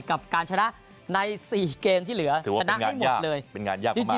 กับการชนะในสี่เกมที่เหลือชนะให้หมดเลยเป็นงานยากมาก